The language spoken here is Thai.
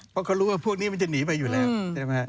เพราะเขารู้ว่าพวกนี้มันจะหนีไปอยู่แล้ว